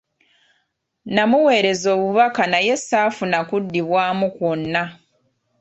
Namuweereza obubaka naye saafuna kuddibwamu kwonna.